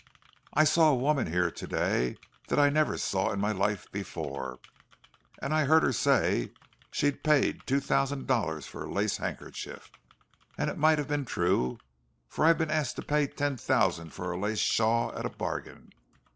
I saw a woman here to day that I never saw in my life before, and I heard her say she'd paid two thousand dollars for a lace handkerchief; and it might have been true, for I've been asked to pay ten thousand for a lace shawl at a bargain.